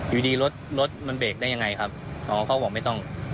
อยู่ดีรถรถมันเบรกได้ยังไงครับน้องเขาบอกไม่ต้อง